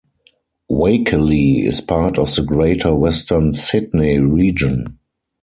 Wakeley is part of the Greater Western Sydney region.